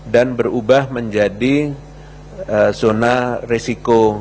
dan berubah menjadi zona risiko tinggi